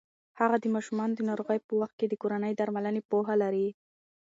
هغه د ماشومانو د ناروغۍ په وخت کې د کورني درملنې پوهه لري.